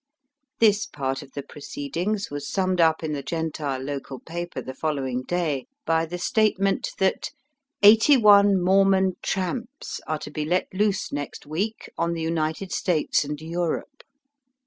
This part of the proceedings was summed up in the Gentile local paper the following day, by the statement that " eighty one Mormon tramps are to be let loose next week on the United States and Europe."